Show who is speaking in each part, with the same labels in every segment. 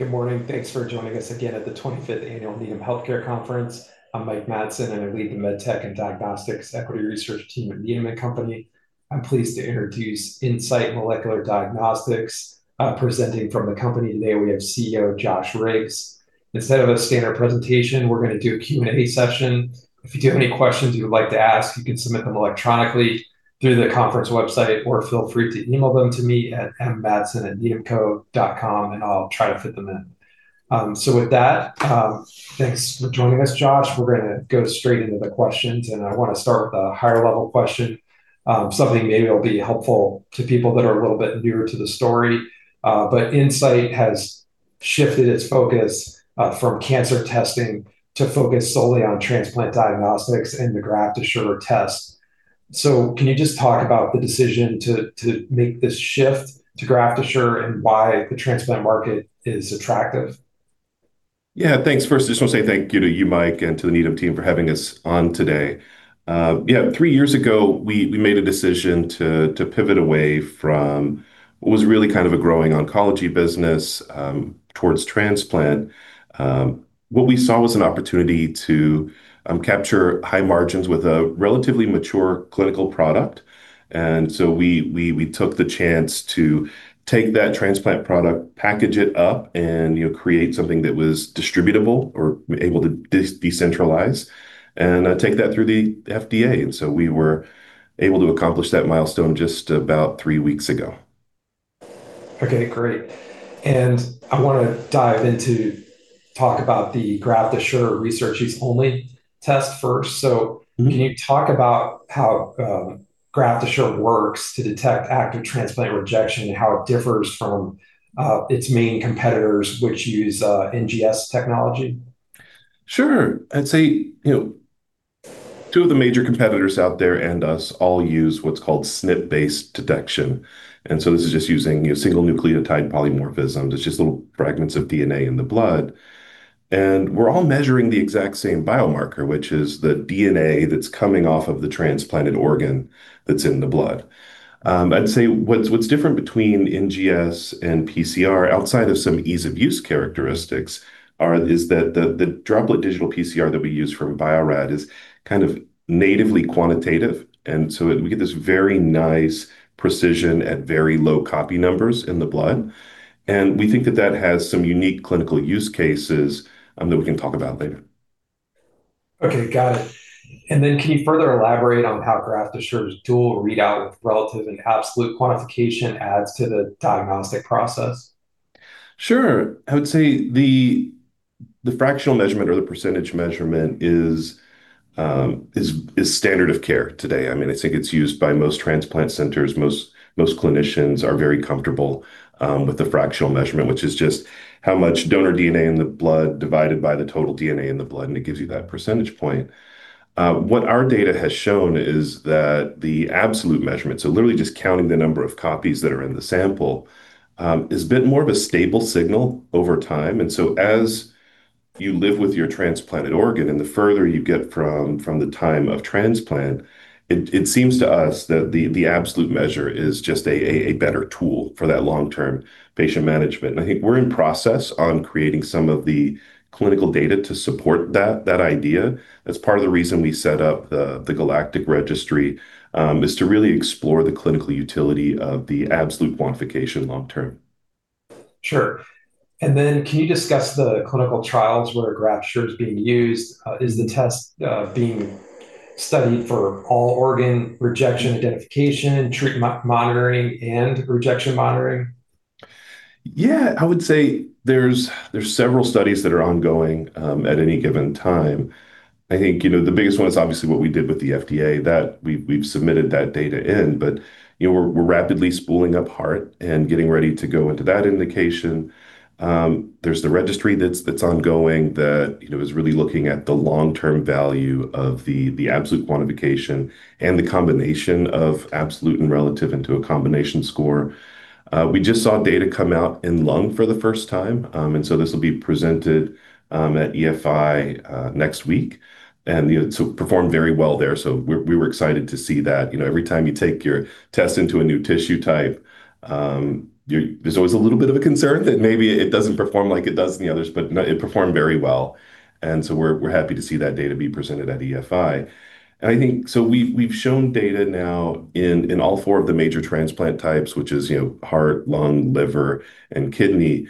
Speaker 1: Good morning. Thanks for joining us again at the 25th Annual Needham Healthcare Conference. I'm Mike Matson, and I lead the MedTech & Diagnostics Equity Research team at Needham & Company. I'm pleased to introduce Insight Molecular Diagnostics. Presenting from the company today, we have CEO Josh Riggs. Instead of a standard presentation, we're going to do a Q&A session. If you do have any questions you would like to ask, you can submit them electronically through the conference website, or feel free to email them to me at mmatson@needhamco.com, and I'll try to fit them in. With that, thanks for joining us, Josh. We're going to go straight into the questions, and I want to start with a higher-level question, something maybe that'll be helpful to people that are a little bit newer to the story. Insight has shifted its focus from cancer testing to focus solely on transplant diagnostics and the GraftAssure test. Can you just talk about the decision to make this shift to GraftAssure and why the transplant market is attractive?
Speaker 2: Yeah. Thanks. First, I just want to say thank you to you, Mike, and to the Needham team for having us on today. Three years ago, we made a decision to pivot away from what was really kind of a growing oncology business towards transplant. What we saw was an opportunity to capture high margins with a relatively mature clinical product. We took the chance to take that transplant product, package it up, and create something that was distributable or able to decentralize and take that through the FDA. We were able to accomplish that milestone just about three weeks ago.
Speaker 1: Okay, great. I want to dive in to talk about the GraftAssure research-use-only test first.
Speaker 2: Mm-hmm.
Speaker 1: Can you talk about how GraftAssure works to detect active transplant rejection and how it differs from its main competitors, which use NGS technology?
Speaker 2: Sure. I'd say two of the major competitors out there and us all use what's called SNP-based detection. This is just using your single nucleotide polymorphisms. It's just little fragments of DNA in the blood. We're all measuring the exact same biomarker, which is the DNA that's coming off of the transplanted organ that's in the blood. I'd say what's different between NGS and PCR, outside of some ease-of-use characteristics, is that the droplet digital PCR that we use from Bio-Rad is kind of natively quantitative. We get this very nice precision at very low copy numbers in the blood. We think that that has some unique clinical use cases that we can talk about later.
Speaker 1: Okay, got it. Can you further elaborate on how GraftAssure's dual readout with relative and absolute quantification adds to the diagnostic process?
Speaker 2: Sure. I would say the fractional measurement or the percentage measurement is standard of care today. I think it's used by most transplant centers. Most clinicians are very comfortable with the fractional measurement, which is just how much donor DNA in the blood divided by the total DNA in the blood, and it gives you that percentage point. What our data has shown is that the absolute measurement, so literally just counting the number of copies that are in the sample, is a bit more of a stable signal over time. As you live with your transplanted organ, and the further you get from the time of transplant, it seems to us that the absolute measure is just a better tool for that long-term patient management. I think we're in process on creating some of the clinical data to support that idea. That's part of the reason we set up the GALACTIC Registry is to really explore the clinical utility of the absolute quantification long-term.
Speaker 1: Sure. Can you discuss the clinical trials where GraftAssure is being used? Is the test being studied for all organ rejection identification, treatment monitoring, and rejection monitoring?
Speaker 2: Yeah. I would say there's several studies that are ongoing at any given time. I think the biggest one is obviously what we did with the FDA, that we've submitted that data in, but we're rapidly spooling up heart and getting ready to go into that indication. There's the registry that's ongoing that is really looking at the long-term value of the absolute quantification and the combination of absolute and relative into a combination score. We just saw data come out in lung for the first time. This will be presented at EFI next week. It performed very well there. We were excited to see that. Every time you take your test into a new tissue type, there's always a little bit of a concern that maybe it doesn't perform like it does in the others, but it performed very well, and so we're happy to see that data be presented at EFI. We've shown data now in all four of the major transplant types, which is heart, lung, liver, and kidney.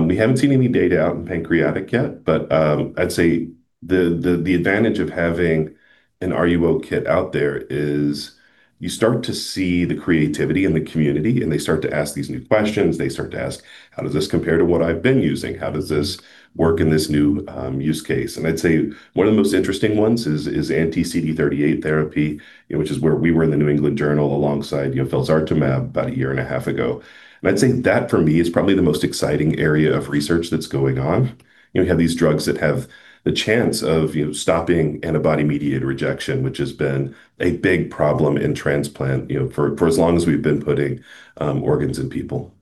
Speaker 2: We haven't seen any data out in pancreatic yet, but I'd say the advantage of having an RUO kit out there is you start to see the creativity in the community, and they start to ask these new questions. They start to ask, how does this compare to what I've been using? How does this work in this new use case? I'd say one of the most interesting ones is anti-CD38 therapy, which is where we were in the New England Journal alongside felzartamab about a year and a half ago. I'd say that for me is probably the most exciting area of research that's going on. We have these drugs that have the chance of stopping antibody-mediated rejection, which has been a big problem in transplant for as long as we've been putting organs in people.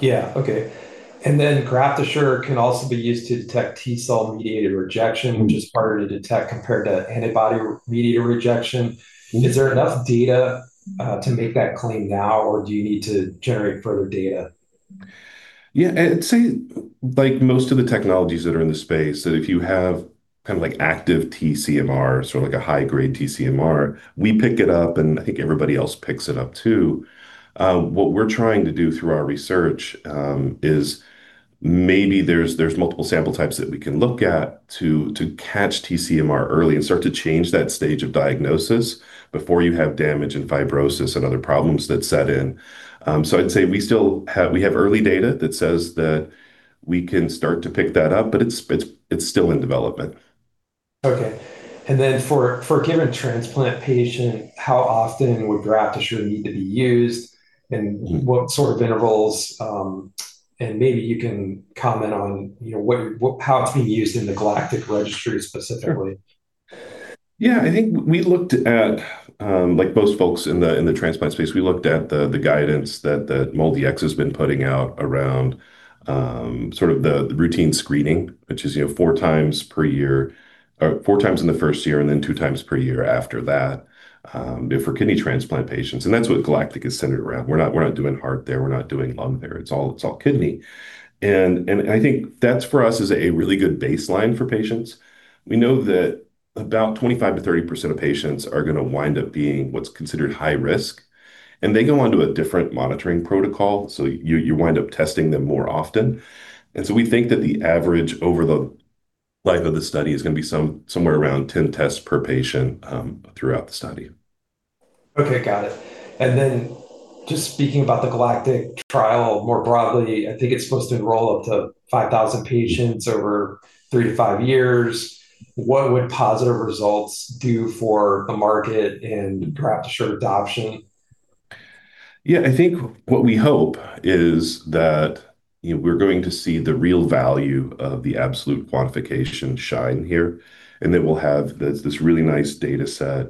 Speaker 1: Yeah. Okay. GraftAssure can also be used to detect T-cell-mediated rejection.
Speaker 2: Mm-hmm.
Speaker 1: Which is harder to detect compared to antibody-mediated rejection.
Speaker 2: Mm-hmm.
Speaker 1: Is there enough data to make that claim now, or do you need to generate further data?
Speaker 2: Yeah, I'd say, like most of the technologies that are in the space, that if you have active TCMR, sort of like a high-grade TCMR, we pick it up, and I think everybody else picks it up too. What we're trying to do through our research is maybe there's multiple sample types that we can look at to catch TCMR early and start to change that stage of diagnosis before you have damage and fibrosis and other problems that set in. I'd say we have early data that says that we can start to pick that up, but it's still in development.
Speaker 1: Okay. For a given transplant patient, how often would GraftAssure need to be used, and what sort of intervals? Maybe you can comment on how it's being used in the GALACTIC registry specifically.
Speaker 2: Yeah. I think we looked at, like most folks in the transplant space, we looked at the guidance that CareDx has been putting out around the routine screening, which is four times in the first year and then two times per year after that for kidney transplant patients. That's what GALACTIC is centered around. We're not doing heart there, we're not doing lung there. It's all kidney. I think that for us is a really good baseline for patients. We know that about 25%-30% of patients are going to wind up being what's considered high risk, and they go onto a different monitoring protocol, so you wind up testing them more often. We think that the average over the life of the study is going to be somewhere around 10 tests per patient throughout the study.
Speaker 1: Okay, got it. Just speaking about the GALACTIC trial more broadly, I think it's supposed to enroll up to 5,000 patients over three to five years. What would positive results do for the market and GraftAssure adoption?
Speaker 2: Yeah, I think what we hope is that we're going to see the real value of the absolute quantification shine here. That we'll have this really nice data set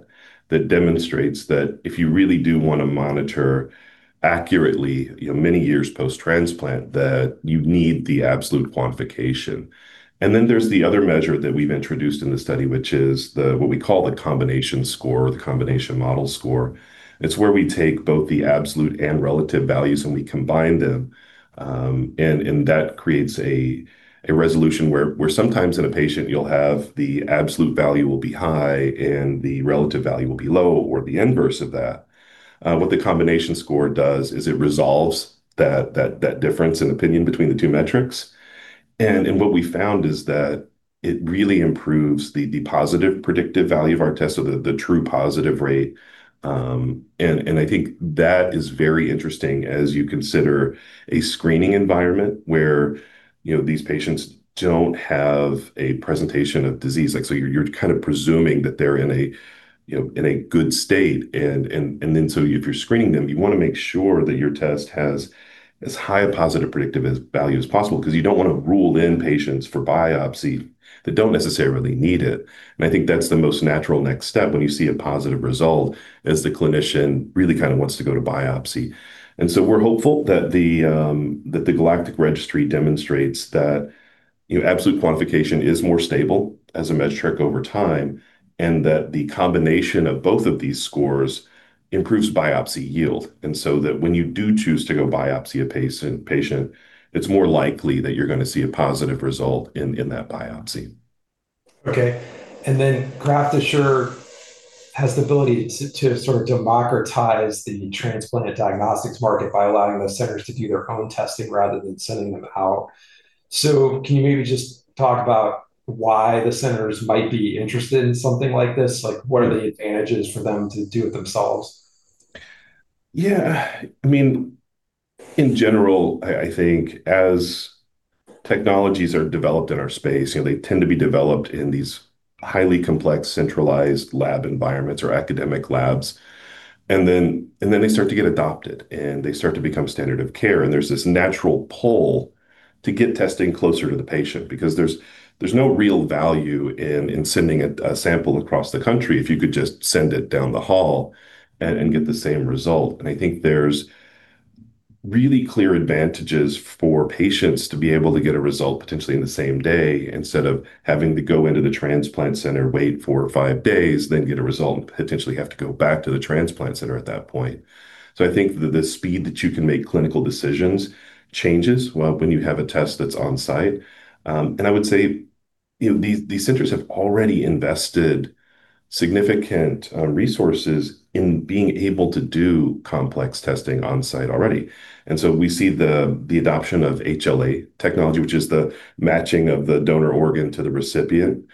Speaker 2: that demonstrates that if you really do want to monitor accurately many years post-transplant, that you need the absolute quantification. There's the other measure that we've introduced in the study, which is what we call the combination score or the combination model score. It's where we take both the absolute and relative values, and we combine them, and that creates a resolution where sometimes in a patient you'll have the absolute value will be high and the relative value will be low, or the inverse of that. What the combination score does is it resolves that difference in opinion between the two metrics. What we found is that it really improves the positive predictive value of our test, so the true positive rate. I think that is very interesting as you consider a screening environment where these patients don't have a presentation of disease. You're kind of presuming that they're in a good state, and then so if you're screening them, you want to make sure that your test has as high a positive predictive value as possible because you don't want to rule in patients for biopsy that don't necessarily need it. I think that's the most natural next step when you see a positive result, is the clinician really kind of wants to go to biopsy. We're hopeful that the GALACTIC registry demonstrates that absolute quantification is more stable as a metric over time, and that the combination of both of these scores improves biopsy yield. That when you do choose to go biopsy a patient, it's more likely that you're going to see a positive result in that biopsy.
Speaker 1: Okay. GraftAssure has the ability to sort of democratize the transplant diagnostics market by allowing those centers to do their own testing rather than sending them out. Can you maybe just talk about why the centers might be interested in something like this? What are the advantages for them to do it themselves?
Speaker 2: Yeah. In general, I think as technologies are developed in our space, they tend to be developed in these highly complex centralized lab environments or academic labs. They start to get adopted, and they start to become standard of care. There's this natural pull to get testing closer to the patient because there's no real value in sending a sample across the country if you could just send it down the hall and get the same result. I think there's really clear advantages for patients to be able to get a result potentially in the same day, instead of having to go into the transplant center, wait four or five days, then get a result, and potentially have to go back to the transplant center at that point. I think that the speed that you can make clinical decisions changes when you have a test that's on-site. I would say these centers have already invested significant resources in being able to do complex testing on-site already. We see the adoption of HLA technology, which is the matching of the donor organ to the recipient.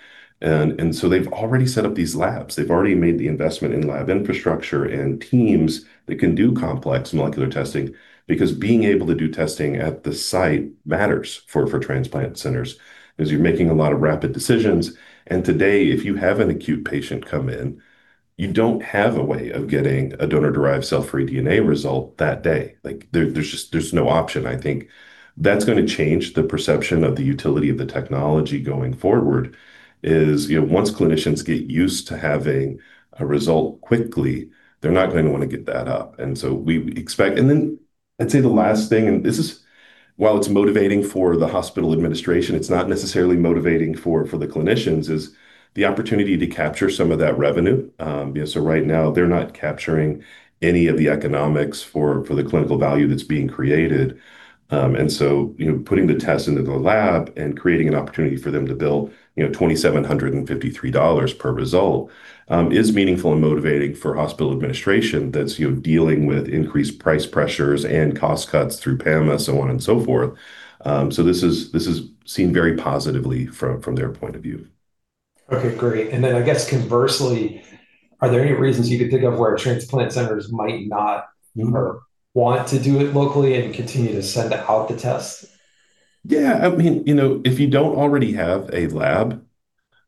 Speaker 2: They've already set up these labs. They've already made the investment in lab infrastructure and teams that can do complex molecular testing because being able to do testing at the site matters for transplant centers, as you're making a lot of rapid decisions. Today, if you have an acute patient come in, you don't have a way of getting a donor-derived cell-free DNA result that day. There's no option. I think that's going to change the perception of the utility of the technology going forward is once clinicians get used to having a result quickly, they're not going to want to give that up. I'd say the last thing, and while it's motivating for the hospital administration, it's not necessarily motivating for the clinicians, is the opportunity to capture some of that revenue. Right now, they're not capturing any of the economics for the clinical value that's being created. Putting the test into the lab and creating an opportunity for them to bill $2,753 per result is meaningful and motivating for hospital administration that's dealing with increased price pressures and cost cuts through PAMA, so on and so forth. This is seen very positively from their point of view.
Speaker 1: Okay, great. I guess conversely, are there any reasons you could think of where transplant centers might not?
Speaker 2: Mm-hmm
Speaker 1: Want to do it locally and continue to send out the test?
Speaker 2: Yeah. If you don't already have a lab,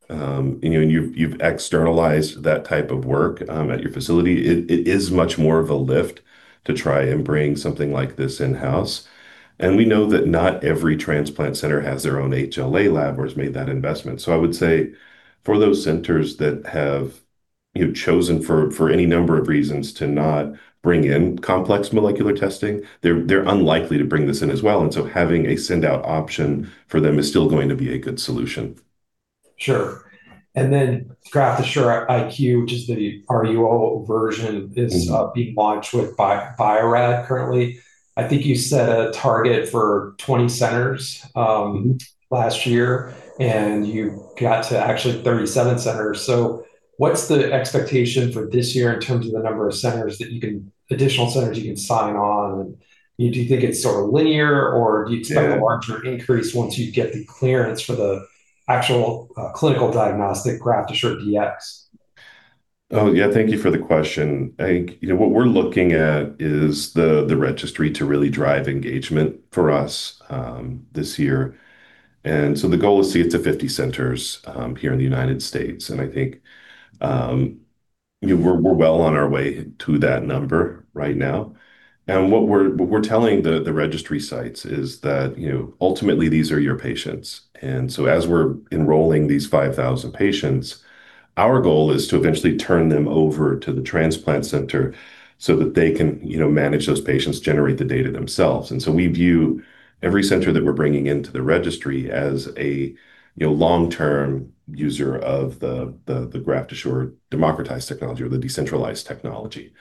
Speaker 2: and you've externalized that type of work at your facility, it is much more of a lift to try and bring something like this in-house. We know that not every transplant center has their own HLA lab or has made that investment. I would say for those centers that have chosen for any number of reasons to not bring in complex molecular testing, they're unlikely to bring this in as well, and so having a send-out option for them is still going to be a good solution.
Speaker 1: Sure. GraftAssureIQ, which is the RUO version.
Speaker 2: Mm-hmm
Speaker 1: Is being launched with Bio-Rad currently. I think you set a target for 20 centers.
Speaker 2: Mm-hmm
Speaker 1: Last year, you got to actually 37 centers. What's the expectation for this year in terms of the number of additional centers that you can sign on, and do you think it's sort of linear?
Speaker 2: Yeah
Speaker 1: Expect a larger increase once you get the clearance for the actual clinical diagnostic GraftAssureDx?
Speaker 2: Oh, yeah. Thank you for the question. I think what we're looking at is the registry to really drive engagement for us this year. The goal is to get to 50 centers here in the United States, and I think we're well on our way to that number right now. What we're telling the registry sites is that ultimately these are your patients. As we're enrolling these 5,000 patients, our goal is to eventually turn them over to the transplant center so that they can manage those patients, generate the data themselves. We view every center that we're bringing into the registry as a long-term user of the GraftAssure democratized technology or the decentralized technology.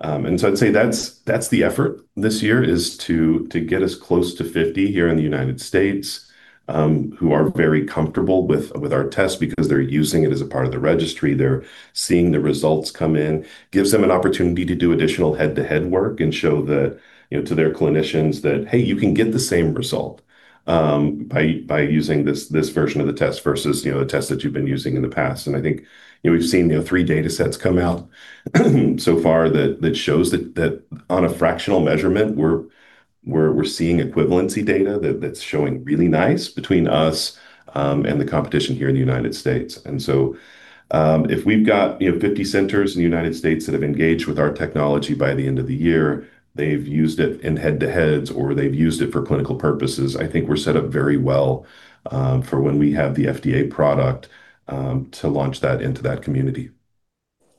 Speaker 2: I'd say that's the effort this year is to get as close to 50 here in the United States, who are very comfortable with our test because they're using it as a part of the registry. They're seeing the results come in. It gives them an opportunity to do additional head-to-head work and show to their clinicians that, hey, you can get the same result by using this version of the test versus the test that you've been using in the past. I think we've seen three datasets come out so far that shows that on a fractional measurement, we're seeing equivalency data that's showing really nice between us and the competition here in the United States. If we've got 50 centers in the United States that have engaged with our technology by the end of the year, they've used it in head-to-heads, or they've used it for clinical purposes, I think we're set up very well for when we have the FDA product to launch that into that community.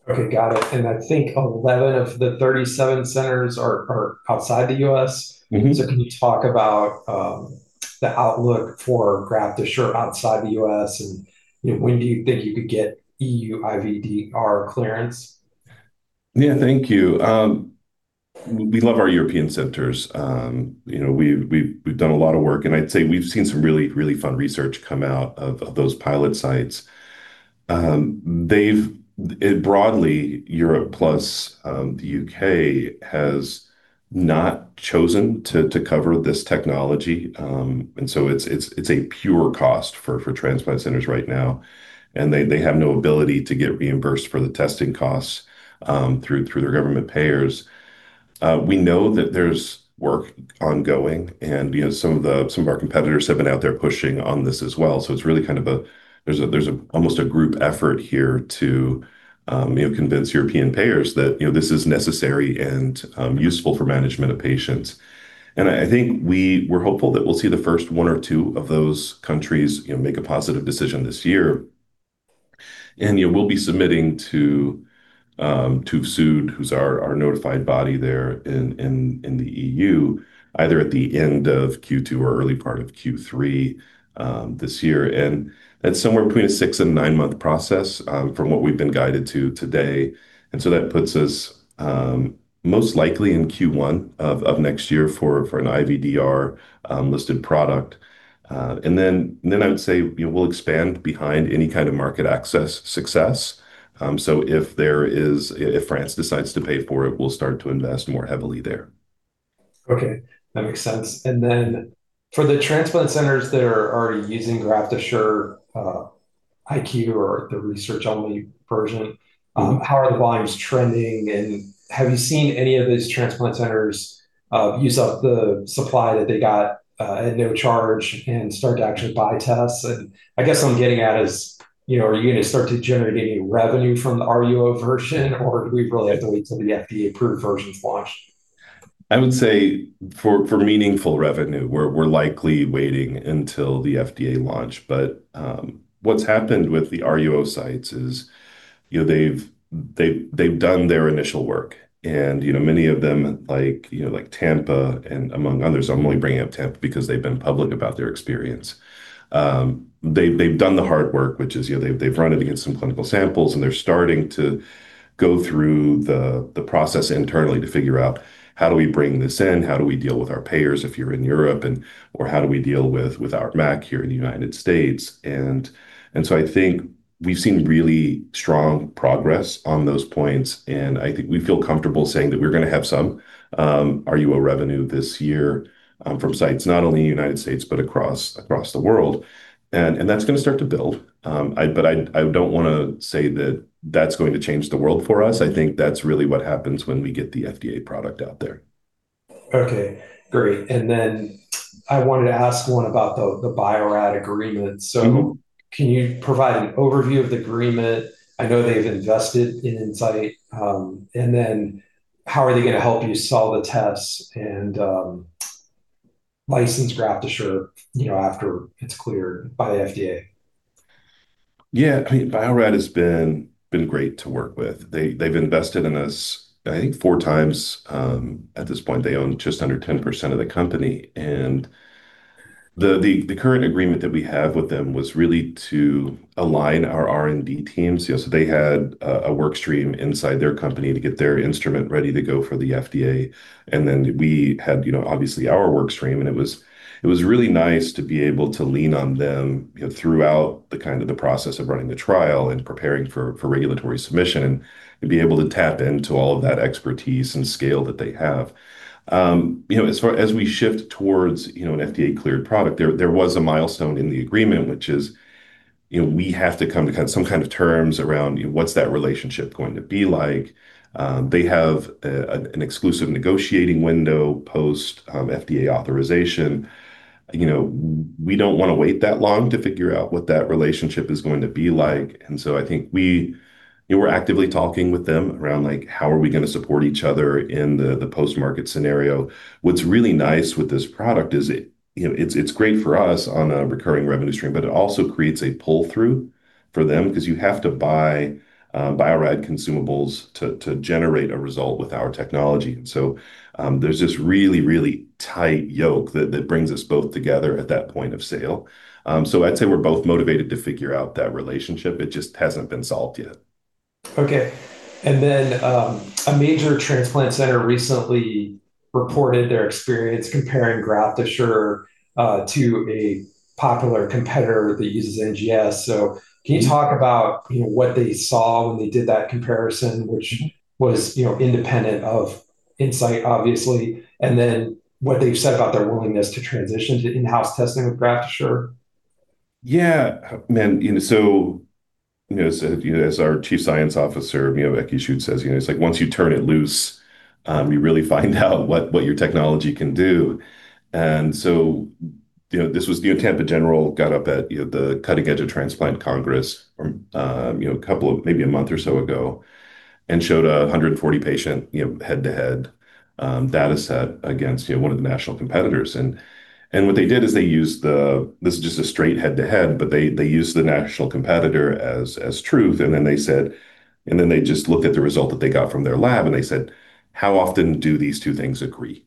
Speaker 1: Okay, got it. I think 11 of the 37 centers are outside the U.S.
Speaker 2: Mm-hmm.
Speaker 1: Can you talk about the outlook for GraftAssure outside the U.S., and when do you think you could get E.U. IVDR clearance?
Speaker 2: Yeah, thank you. We love our European centers. We've done a lot of work, and I'd say we've seen some really fun research come out of those pilot sites. Broadly, Europe plus the U.K. has not chosen to cover this technology. It's a pure cost for transplant centers right now, and they have no ability to get reimbursed for the testing costs through their government payers. We know that there's work ongoing, and some of our competitors have been out there pushing on this as well. There's almost a group effort here to convince European payers that this is necessary and useful for management of patients. I think we're hopeful that we'll see the first one or two of those countries make a positive decision this year. We'll be submitting to TÜV SÜD, who's our notified body there in the E.U., either at the end of Q2 or early part of Q3 this year. That's somewhere between a six and a nine-month process from what we've been guided to today. That puts us most likely in Q1 of next year for an IVDR-listed product. I would say we'll expand behind any kind of market access success. If France decides to pay for it, we'll start to invest more heavily there.
Speaker 1: Okay. That makes sense. For the transplant centers that are already using GraftAssureIQ or the research-only version.
Speaker 2: Mm-hmm
Speaker 1: How are the volumes trending, and have you seen any of these transplant centers use up the supply that they got at no charge and start to actually buy tests? I guess what I'm getting at is, are you going to start to generate any revenue from the RUO version, or do we really have to wait till the FDA-approved version's launched?
Speaker 2: I would say for meaningful revenue, we're likely waiting until the FDA launch. What's happened with the RUO sites is they've done their initial work. Many of them like Tampa, and among others, I'm only bringing up Tampa because they've been public about their experience. They've done the hard work, which is, they've run it against some clinical samples, and they're starting to go through the process internally to figure out how do we bring this in? How do we deal with our payers if you're in Europe and, or how do we deal with our MAC here in the United States? I think we've seen really strong progress on those points, and I think we feel comfortable saying that we're going to have some RUO revenue this year, from sites not only in the United States but across the world. That's going to start to build. I don't want to say that that's going to change the world for us. I think that's really what happens when we get the FDA product out there.
Speaker 1: Okay, great. I wanted to ask one about the Bio-Rad agreement.
Speaker 2: Mm-hmm.
Speaker 1: Can you provide an overview of the agreement? I know they've invested in Insight. How are they going to help you sell the tests and license GraftAssure after it's cleared by the FDA?
Speaker 2: Yeah. Bio-Rad has been great to work with. They've invested in us, I think four times. At this point, they own just under 10% of the company, and the current agreement that we have with them was really to align our R&D teams. They had a work stream inside their company to get their instrument ready to go for the FDA. We had obviously our work stream, and it was really nice to be able to lean on them throughout the process of running the trial and preparing for regulatory submission, and be able to tap into all of that expertise and scale that they have. As we shift towards an FDA-cleared product, there was a milestone in the agreement, which is, we have to come to some kind of terms around what's that relationship going to be like. They have an exclusive negotiating window post-FDA authorization. We don't want to wait that long to figure out what that relationship is going to be like. I think we're actively talking with them around how are we going to support each other in the post-market scenario. What's really nice with this product is it's great for us on a recurring revenue stream, but it also creates a pull-through for them because you have to buy Bio-Rad consumables to generate a result with our technology. There's this really tight yoke that brings us both together at that point of sale. I'd say we're both motivated to figure out that relationship. It just hasn't been solved yet.
Speaker 1: Okay. A major transplant center recently reported their experience comparing GraftAssure to a popular competitor that uses NGS. Can you talk about what they saw when they did that comparison, which was independent of Insight, obviously, what they've said about their willingness to transition to in-house testing with GraftAssure?
Speaker 2: Yeah, man. As our Chief Science Officer, Ekkehard Schütz says, it's like once you turn it loose, you really find out what your technology can do. Tampa General got up at the Cutting Edge of Transplant Congress maybe a month or so ago, and showed a 140-patient head-to-head dataset against one of the national competitors. What they did is this is just a straight head-to-head, but they used the national competitor as truth. They just looked at the result that they got from their lab, and they said, "How often do these two things agree?"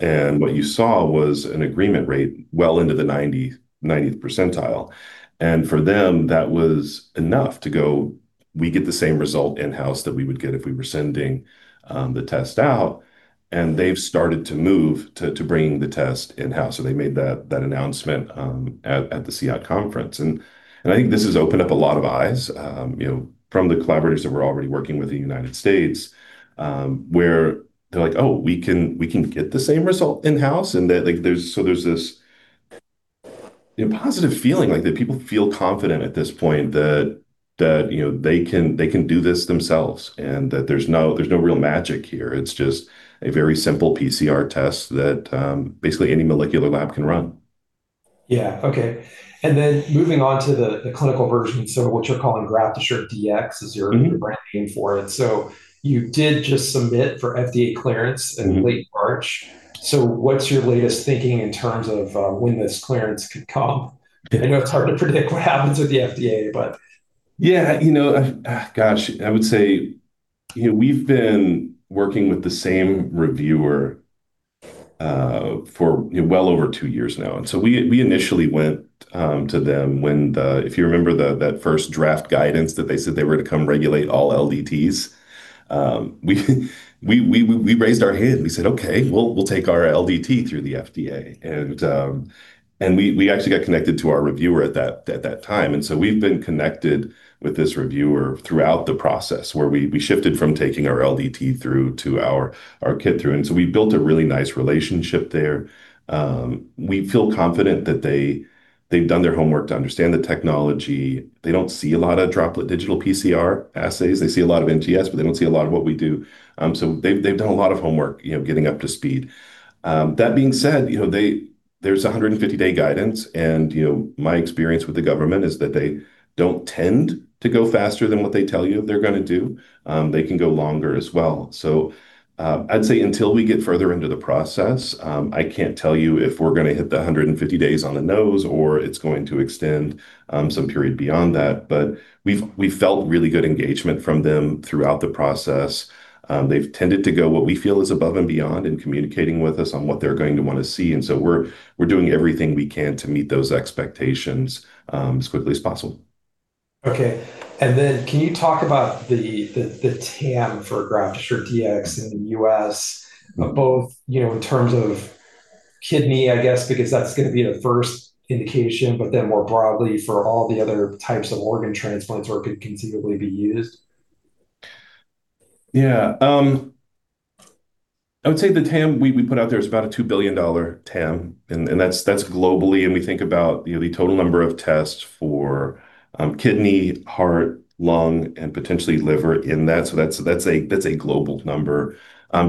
Speaker 2: What you saw was an agreement rate well into the 90th percentile. For them, that was enough to go, we get the same result in-house that we would get if we were sending the test out, and they've started to move to bringing the test in-house. They made that announcement at the ESOT conference. I think this has opened up a lot of eyes from the collaborators that we're already working with in the United States, where they're like, "Oh, we can get the same result in-house?" There's this positive feeling like that people feel confident at this point that they can do this themselves and that there's no real magic here. It's just a very simple PCR test that basically any molecular lab can run.
Speaker 1: Yeah. Okay. Moving on to the clinical version. What you're calling GraftAssureDx is your brand name for it. You did just submit for FDA clearance in late March. What's your latest thinking in terms of when this clearance could come? I know it's hard to predict what happens with the FDA.
Speaker 2: Yeah. Gosh. I would say we've been working with the same reviewer for well over two years now. We initially went to them when, if you remember that first draft guidance that they said they were to come regulate all LDTs. We raised our hand, we said, "Okay, we'll take our LDT through the FDA." We actually got connected to our reviewer at that time. We've been connected with this reviewer throughout the process where we shifted from taking our LDT through to our kit through. We built a really nice relationship there. We feel confident that they've done their homework to understand the technology. They don't see a lot of droplet digital PCR assays. They see a lot of NGS, but they don't see a lot of what we do. They've done a lot of homework getting up to speed. That being said, there's 150-day guidance, and my experience with the government is that they don't tend to go faster than what they tell you they're going to do. They can go longer as well. I'd say until we get further into the process, I can't tell you if we're going to hit the 150 days on the nose or it's going to extend some period beyond that. We've felt really good engagement from them throughout the process. They've tended to go what we feel is above and beyond in communicating with us on what they're going to want to see, and so we're doing everything we can to meet those expectations as quickly as possible.
Speaker 1: Okay. Can you talk about the TAM for GraftAssureDx in the U.S., both in terms of kidney, I guess, because that's going to be the first indication, but then more broadly, for all the other types of organ transplants where it could conceivably be used?
Speaker 2: Yeah, I would say the TAM we put out there is about a $2 billion TAM, and that's globally. We think about the total number of tests for kidney, heart, lung, and potentially liver in that. That's a global number.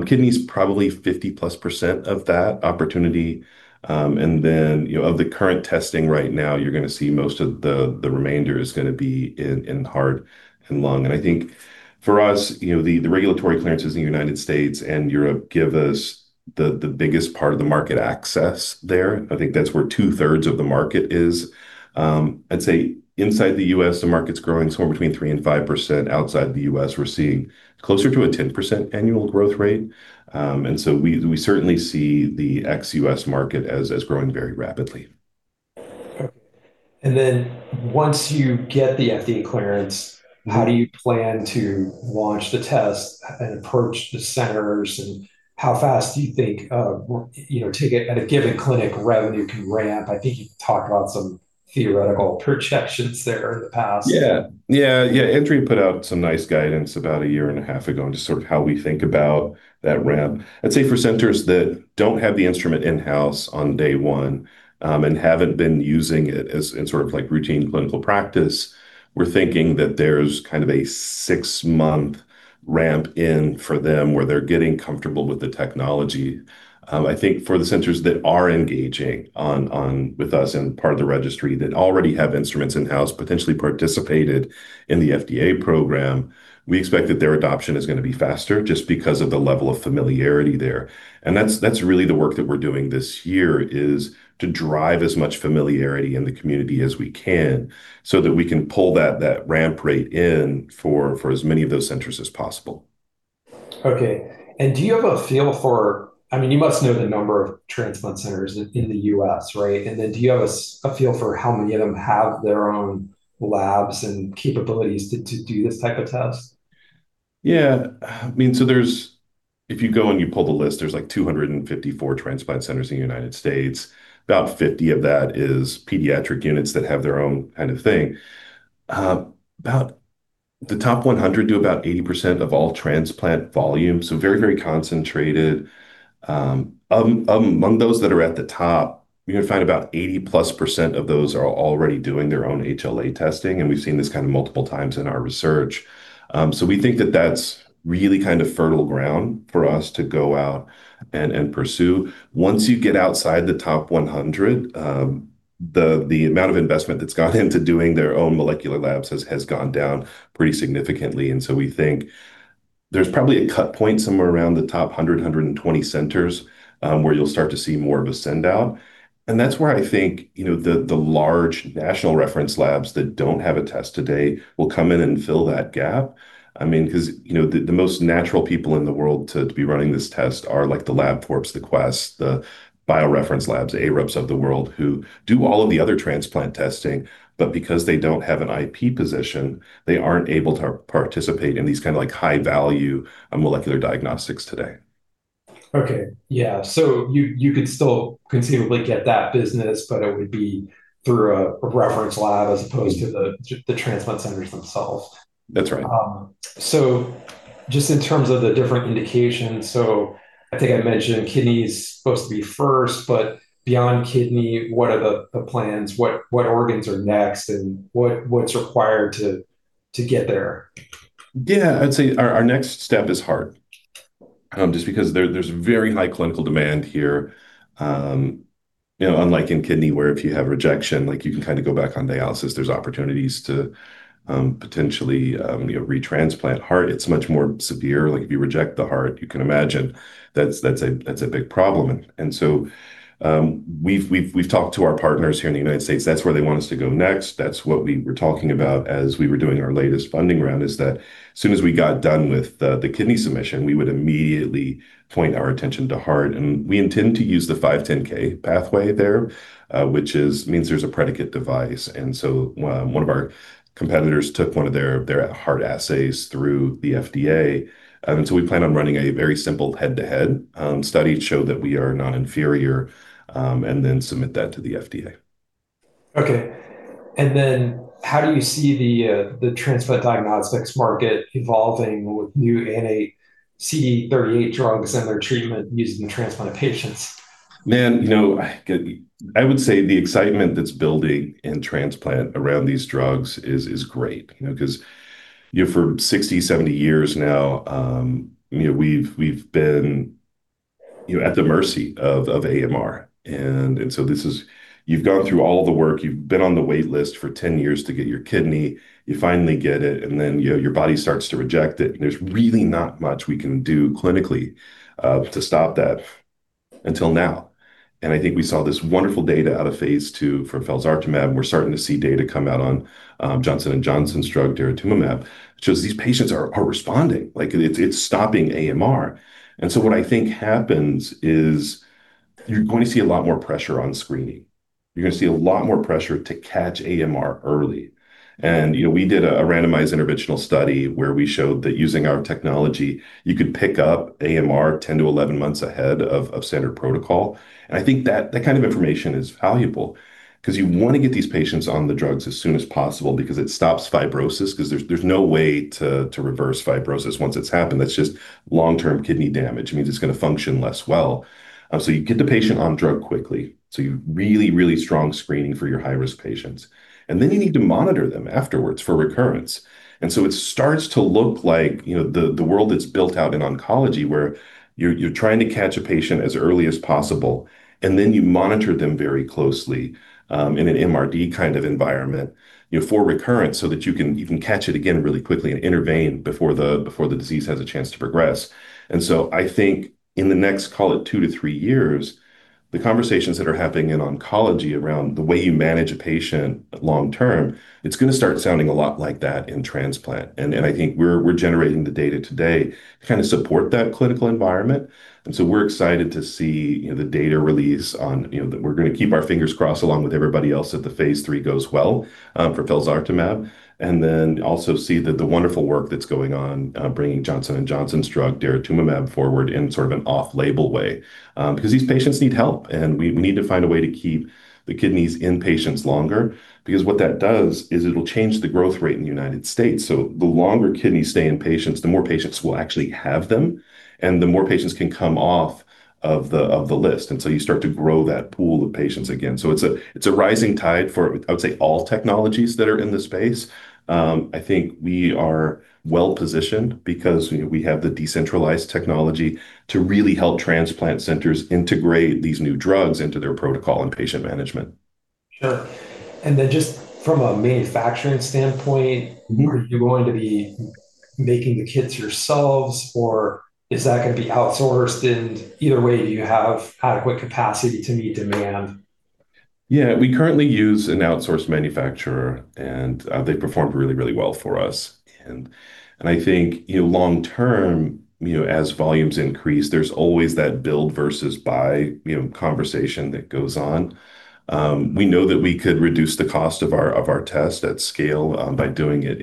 Speaker 2: Kidney's probably 50%+ of that opportunity. Of the current testing right now, you're going to see most of the remainder is going to be in heart and lung. I think for us, the regulatory clearances in the United States and Europe give us the biggest part of the market access there. I think that's where 2/3 of the market is. I'd say inside the U.S., the market's growing somewhere between 3% and 5%. Outside the U.S., we're seeing closer to a 10% annual growth rate. We certainly see the ex-U.S. market as growing very rapidly.
Speaker 1: Okay. Once you get the FDA clearance, how do you plan to launch the test and approach the centers, and how fast do you think, to get at a given clinic revenue can ramp? I think you've talked about some theoretical projections there in the past.
Speaker 2: Yeah. iMDx put out some nice guidance about a year and a half ago into sort of how we think about that ramp. I'd say for centers that don't have the instrument in-house on day one, and haven't been using it as in sort of routine clinical practice, we're thinking that there's kind of a six-month ramp in for them where they're getting comfortable with the technology. I think for the centers that are engaging on with us and part of the registry that already have instruments in-house, potentially participated in the FDA program, we expect that their adoption is going to be faster just because of the level of familiarity there. That's really the work that we're doing this year, is to drive as much familiarity in the community as we can so that we can pull that ramp rate in for as many of those centers as possible.
Speaker 1: Okay. You must know the number of transplant centers in the U.S., right? Do you have a feel for how many of them have their own labs and capabilities to do this type of test?
Speaker 2: Yeah. If you go and you pull the list, there's 254 transplant centers in the United States. About 50 of that is pediatric units that have their own kind of thing. The top 100 do about 80% of all transplant volume, so very concentrated. Among those that are at the top, you're going to find about 80%+ of those are already doing their own HLA testing, and we've seen this kind of multiple times in our research. We think that that's really kind of fertile ground for us to go out and pursue. Once you get outside the top 100, the amount of investment that's gone into doing their own molecular labs has gone down pretty significantly. We think there's probably a cut point somewhere around the top 100-120 centers, where you'll start to see more of a send-out. That's where I think the large national reference labs that don't have a test today will come in and fill that gap, because the most natural people in the world to be running this test are the Labcorps, the Quest, the BioReference Labs, the ARUPs of the world, who do all of the other transplant testing. Because they don't have an IP position, they aren't able to participate in these high-value molecular diagnostics today.
Speaker 1: Okay. Yeah. You could still conceivably get that business, but it would be through a reference lab as opposed to the transplant centers themselves.
Speaker 2: That's right.
Speaker 1: Just in terms of the different indications, I think I mentioned kidney is supposed to be first, but beyond kidney, what are the plans? What organs are next, and what's required to get there?
Speaker 2: Yeah, I'd say our next step is heart just because there's very high clinical demand here. Unlike in kidney where if you have rejection you can go back on dialysis, there's opportunities to potentially re-transplant heart. It's much more severe. If you reject the heart, you can imagine that's a big problem. We've talked to our partners here in the United States. That's where they want us to go next. That's what we were talking about as we were doing our latest funding round, is that as soon as we got done with the kidney submission, we would immediately point our attention to heart, and we intend to use the 510 pathway there, which means there's a predicate device. One of our competitors took one of their heart assays through the FDA. We plan on running a very simple head-to-head study to show that we are non-inferior, and then submit that to the FDA.
Speaker 1: Okay. How do you see the transplant diagnostics market evolving with new anti-CD38 drugs and their treatment used in transplant patients?
Speaker 2: Man, I would say the excitement that's building in transplant around these drugs is great. For 60 years-70 years now, we've been at the mercy of AMR. You've gone through all the work. You've been on the wait list for 10 years to get your kidney. You finally get it, and then your body starts to reject it, and there's really not much we can do clinically to stop that until now. I think we saw this wonderful data out of phase II for felzartamab, and we're starting to see data come out on Johnson & Johnson's drug, daratumumab. It shows these patients are responding, like it's stopping AMR. What I think happens is you're going to see a lot more pressure on screening. You're going to see a lot more pressure to catch AMR early. We did a randomized interventional study where we showed that using our technology, you could pick up AMR 10 months-11 months ahead of standard protocol. I think that kind of information is valuable because you want to get these patients on the drugs as soon as possible because it stops fibrosis because there's no way to reverse fibrosis once it's happened. That's just long-term kidney damage. It means it's going to function less well. You get the patient on drug quickly, so you really strong screening for your high-risk patients. You need to monitor them afterwards for recurrence. It starts to look like the world that's built out in oncology, where you're trying to catch a patient as early as possible, and then you monitor them very closely, in an MRD kind of environment for recurrence so that you can catch it again really quickly and intervene before the disease has a chance to progress. I think in the next, call it two to three years, the conversations that are happening in oncology around the way you manage a patient long term, it's going to start sounding a lot like that in transplant. I think we're generating the data today to support that clinical environment. We're excited to see the data release. We're going to keep our fingers crossed, along with everybody else, that the phase III goes well for felzartamab. Also see the wonderful work that's going on, bringing Johnson & Johnson's drug, daratumumab, forward in sort of an off-label way, because these patients need help, and we need to find a way to keep the kidneys in patients longer because what that does is it'll change the growth rate in the United States. The longer kidneys stay in patients, the more patients will actually have them, and the more patients can come off of the list, and so you start to grow that pool of patients again. It's a rising tide for, I would say, all technologies that are in the space. I think we are well-positioned because we have the decentralized technology to really help transplant centers integrate these new drugs into their protocol and patient management.
Speaker 1: Sure. Just from a manufacturing standpoint.
Speaker 2: Mm-hmm.
Speaker 1: Are you going to be making the kits yourselves, or is that going to be outsourced? Either way, do you have adequate capacity to meet demand?
Speaker 2: Yeah. We currently use an outsourced manufacturer, and they've performed really well for us. I think, long-term, as volumes increase, there's always that build-versus-buy conversation that goes on. We know that we could reduce the cost of our test at scale by doing it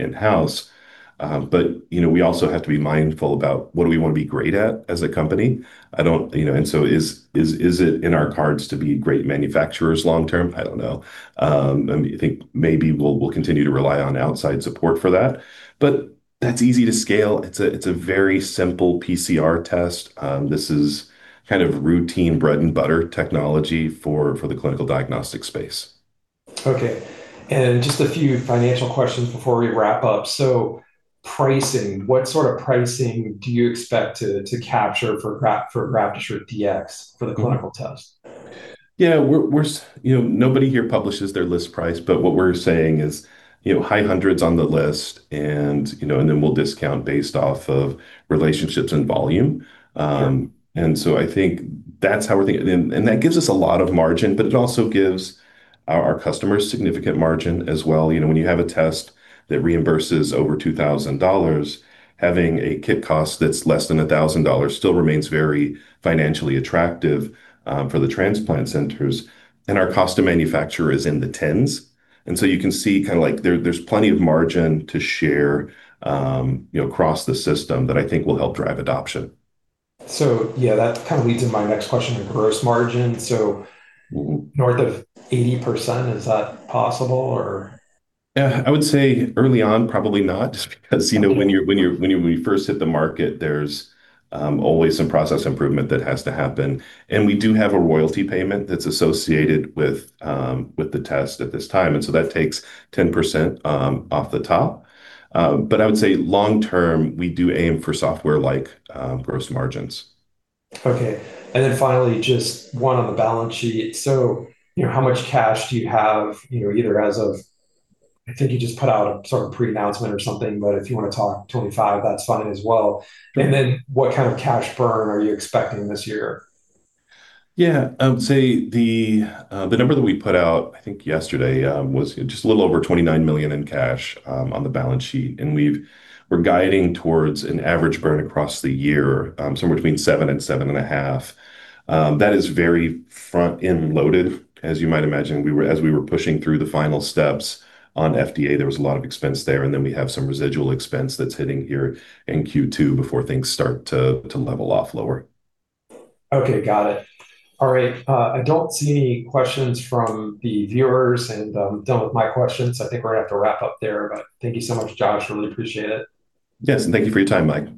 Speaker 2: in-house. We also have to be mindful about what do we want to be great at as a company. Is it in our cards to be great manufacturers long-term? I don't know. I think maybe we'll continue to rely on outside support for that. That's easy to scale. It's a very simple PCR test. This is kind of routine bread-and-butter technology for the clinical diagnostic space.
Speaker 1: Okay. Just a few financial questions before we wrap up. Pricing, what sort of pricing do you expect to capture for GraftAssureDx for the clinical test?
Speaker 2: Yeah, nobody here publishes their list price, but what we're saying is high hundreds on the list, and then we'll discount based off of relationships and volume.
Speaker 1: Sure.
Speaker 2: I think that's how we're thinking. That gives us a lot of margin, but it also gives our customers significant margin as well. When you have a test that reimburses over $2,000, having a kit cost that's less than $1,000 still remains very financially attractive for the transplant centers. Our cost to manufacture is in the $10s. You can see there's plenty of margin to share across the system that I think will help drive adoption.
Speaker 1: Yeah, that kind of leads to my next question, the gross margin. North of 80%, is that possible?
Speaker 2: Yeah. I would say early on, probably not, because when you first hit the market, there's always some process improvement that has to happen. We do have a royalty payment that's associated with the test at this time, and so that takes 10% off the top. I would say long term, we do aim for software-like gross margins.
Speaker 1: Okay. Finally, just one on the balance sheet. How much cash do you have? I think you just put out a sort of pre-announcement or something, but if you want to talk 2025, that's fine as well. What kind of cash burn are you expecting this year?
Speaker 2: Yeah, I would say the number that we put out, I think yesterday, was just a little over $29 million in cash on the balance sheet, and we're guiding towards an average burn across the year, somewhere between $7 million and $7.5 million. That is very front-end loaded, as you might imagine. As we were pushing through the final steps on FDA, there was a lot of expense there, and then we have some residual expense that's hitting here in Q2 before things start to level off lower.
Speaker 1: Okay, got it. All right. I don't see any questions from the viewers, and I'm done with my questions, so I think we're going to have to wrap up there. Thank you so much, Josh. Really appreciate it.
Speaker 2: Yes, thank you for your time, Mike.